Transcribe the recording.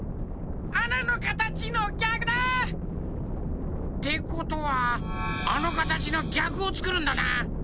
あなのかたちのぎゃくだ！ってことはあのかたちのぎゃくをつくるんだな。